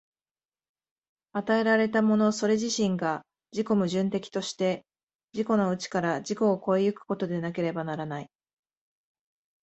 与えられたものそれ自身が自己矛盾的として、自己の内から自己を越え行くことでなければならない。